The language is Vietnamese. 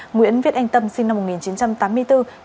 nguyễn viết anh tâm sinh năm một nghìn chín trăm tám mươi bốn